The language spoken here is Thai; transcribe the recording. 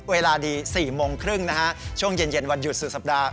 เวลาดี๔โมงครึ่งนะฮะช่วงเย็นวันหยุดสุดสัปดาห